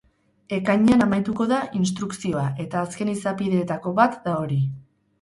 Ekainean amaituko da instrukzioa, eta azken izapideetako bat da hori.